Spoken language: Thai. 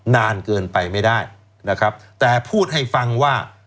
นานเกินไปไม่ได้นะครับแต่พูดให้ฟังว่า